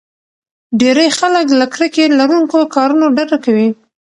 ډېری خلک له کرکې لرونکو کارونو ډډه کوي.